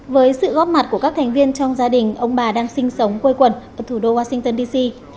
với sự góp mặt của các thành viên trong gia đình ông bà đang sinh sống quây quần ở thủ đô washington dc